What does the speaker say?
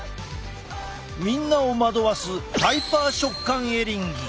みんなを惑わすハイパー食感エリンギ。